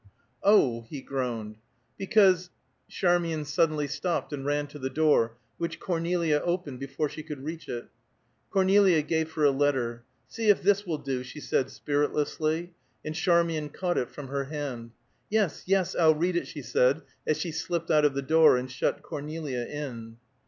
"Oh!" he groaned. "Because " Charmian suddenly stopped and ran to the door, which Cornelia opened before she could reach it. Cornelia gave her a letter. "See if this will do," she said spiritlessly, and Charmian caught it from her hand. "Yes, yes, I'll read it," she said, as she slipped out of the door and shut Cornelia in.